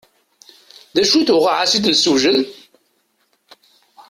D acu-t uɣaɛas i d-nessewjed?